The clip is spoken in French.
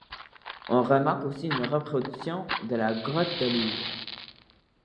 On remarque aussi une reproduction de la grotte de Lourdes.